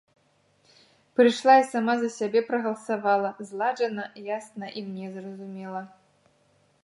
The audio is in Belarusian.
Прыйшла і сама за сябе прагаласавала, зладжана, ясна і мне зразумела.